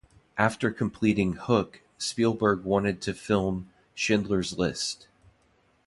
After completing "Hook", Spielberg wanted to film "Schindler's List".